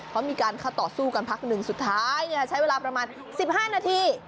เพราะมีการเข้าต่อสู้กันพักหนึ่งสุดท้ายใช้เวลาประมาณ๑๕นาที